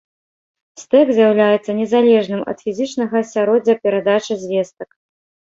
Стэк з'яўляецца незалежным ад фізічнага асяроддзя перадачы звестак.